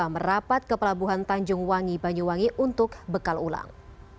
merapat ke pelabuhan tanjung wangi banyuwangi untuk bekal ulang